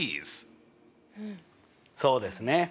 そうですね。